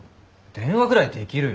電話ぐらいできるよ！